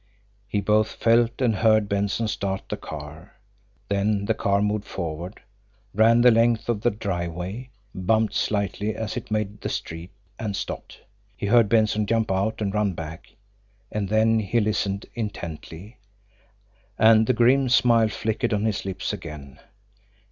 He both felt and heard Benson start the car. Then the car moved forward, ran the length of the driveway, bumped slightly as it made the street and stopped. He heard Benson jump out and run back and then he listened intently, and the grim smile flickered on his lips again.